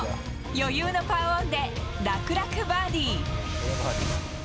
余裕のパーオンで楽々バーディー。